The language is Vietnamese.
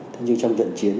thế nhưng trong trận chiến